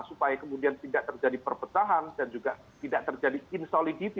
supaya kemudian tidak terjadi perpecahan dan juga tidak terjadi insolidity